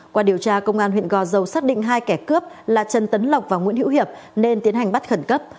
qua điều tra công an huyện gò dầu xác định hai kẻ cướp là trần tấn lộc và nguyễn hữu hiệp nên tiến hành bắt khẩn cấp